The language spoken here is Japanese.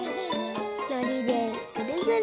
のりでぐるぐる。